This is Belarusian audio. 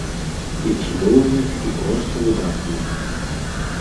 І цудоўных, і проста выдатных.